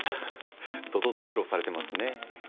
ドドド苦労されてますね。